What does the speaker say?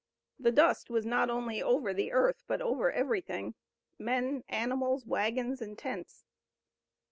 The dust was not only over the earth, but over everything, men, animals, wagons and tents.